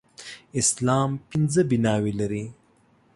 اسلام پنځه بناوې لري